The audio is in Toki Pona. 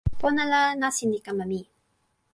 pona la, nasin li kama mi.